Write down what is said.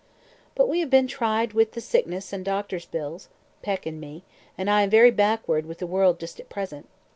"But we have been tried with the sickness and doctors' bills Peck and me and I am very backward with the world just at present.